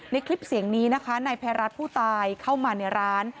คลิปเสียงนี้นะคะนายภัยรัฐผู้ตายเข้ามาในร้าน